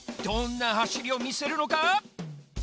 どんなはしりをみせるのか！？